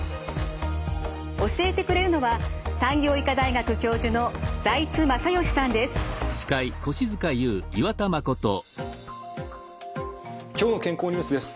教えてくれるのは「きょうの健康ニュース」です。